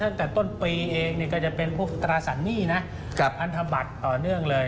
ตั้งแต่ต้นปีเองก็จะเป็นพวกตราสารหนี้นะพันธบัตรต่อเนื่องเลย